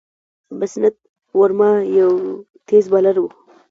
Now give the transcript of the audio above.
بسنت ورما یو تېز بالر وو.